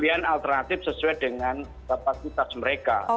pilihan alternatif sesuai dengan kapasitas mereka